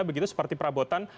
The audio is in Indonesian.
begitu seperti perabotan